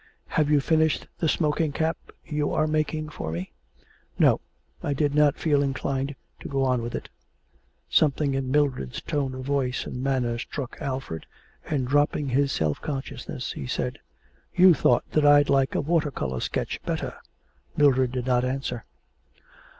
'Have you finished the smoking cap you are making for me?' 'No; I did not feel inclined to go on with it.' Something in Mildred's tone of voice and manner struck Alfred, and, dropping his self consciousness, he said: 'You thought that I'd like a water colour sketch better.' Mildred did not answer.